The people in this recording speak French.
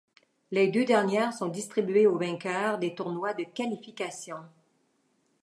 Les deux dernières sont distribuées aux vainqueurs des tournois de qualifications.